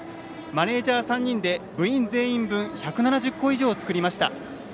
マネージャー３人で部員全員分１７０個以上を作りました。